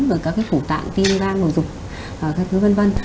rồi các cái phủ tạng tiên đa nội dục các thứ vân vân